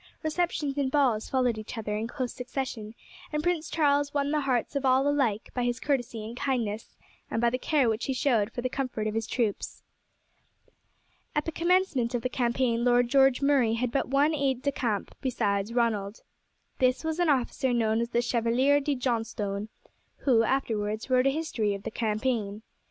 Receptions and balls followed each other in close succession, and Prince Charles won the hearts of all alike by his courtesy and kindness, and by the care which he showed for the comfort of his troops. At the commencement of the campaign Lord George Murray had but one aide de camp besides Ronald. This was an officer known as the Chevalier de Johnstone, who afterwards wrote a history of the campaign.